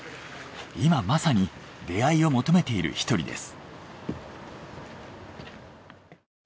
今まさに出会いを求めている一人です。